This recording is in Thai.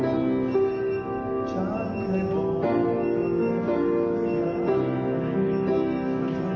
มีคุณใจในใครมากกว่านี้